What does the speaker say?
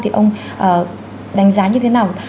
thì ông đánh giá như thế nào